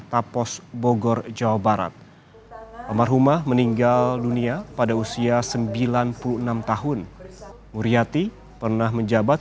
tapos bogor jawa barat almarhumah meninggal dunia pada usia sembilan puluh enam tahun muriati pernah menjabat